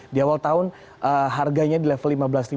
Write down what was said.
di awal tahun harganya di level lima belas lima ratus